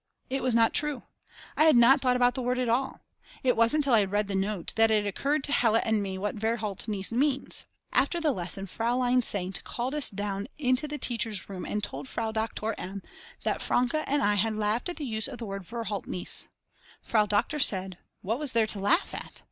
It was not true. I had not thought about the word at all. It wasn't till I had read the note that it occurred to Hella and me what Verhaltnis means. After the lesson Fraulein St. called us down into the teachers' room and told Frau Doktor M. that Franke and I had laughed at the use of the word "Verhaltnis." Frau Doktor said: What was there to laugh at?